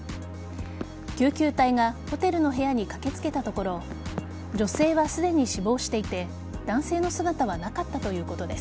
救急隊がホテルの部屋に駆けつけたところ女性はすでに死亡していて男性の姿はなかったということです。